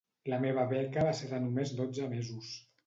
La meva beca va ser de només dotze mesos.